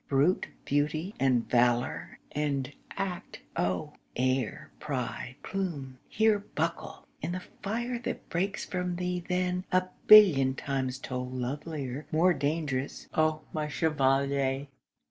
Brute beauty and valour and act, oh, air, pride, plume, here Buckle! AND the fire that breaks from thee then, a billion Times told lovelier, more dangerous, O my chevalier!